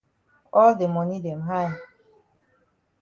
All de moni dem high.